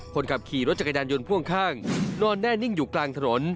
คนขับขี่รถจักรยานยนต์พ่วงข้างนอนแน่นิ่งอยู่กลางถนน